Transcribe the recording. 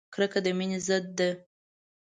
کرکه د مینې ضد ده!